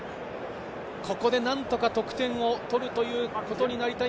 ここでなんとか得点を取るということになりたい。